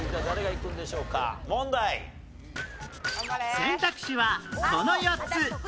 選択肢はこの４つ